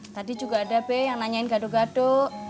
tadi juga ada b yang nanyain gado gado